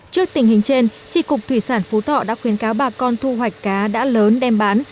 trước tình hình trên tri cục thủy sản phú thọ đã khuyến cáo bà con thu hoạch cá đã lớn đem bán